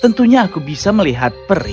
tentunya aku bisa melihat peri